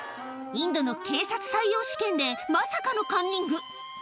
インドの警察採用試験でまさかのカンニング